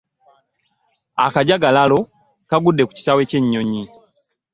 Akajjagakalo kagudde ku kisaawe kyennyonyi.